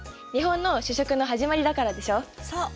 そう。